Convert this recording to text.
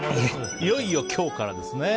いよいよ今日からですね。